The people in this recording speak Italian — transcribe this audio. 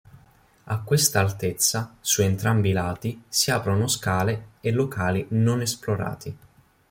A questa altezza, su entrambi i lati, si aprono scale e locali non esplorati.